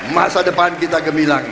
masa depan kita gemilang